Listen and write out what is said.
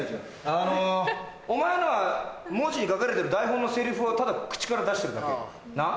あのお前のは文字に書かれてる台本のセリフをただ口から出してるだけなっ？